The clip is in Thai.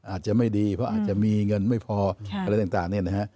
อาจจะไม่ดีเพราะอาจจะมีเงินไม่พออะไรต่างเนี่ยนะฮะ